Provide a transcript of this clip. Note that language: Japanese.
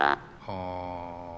はあ。